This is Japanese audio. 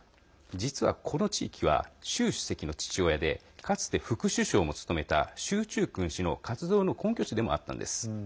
実は、この地域は習主席の父親でかつて副首相も務めた習仲勲氏の活動の根拠地でもあったんです。